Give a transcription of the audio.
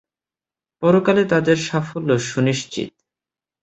পরকালে তাদের সাফল্য সুনিশ্চিত।